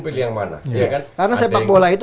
pilih yang mana karena sepak bola itu